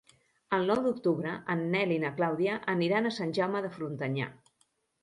El nou d'octubre en Nel i na Clàudia aniran a Sant Jaume de Frontanyà.